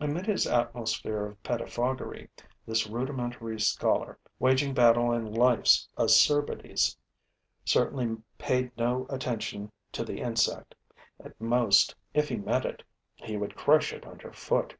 Amid his atmosphere of pettifoggery, this rudimentary scholar, waging battle on life's acerbities, certainly paid no attention to the insect; at most, if he met it, he would crush it under foot.